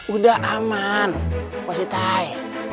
udah aman posisi